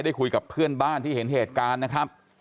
คุยกับเพื่อนบ้านที่เห็นเหตุการณ์นะครับ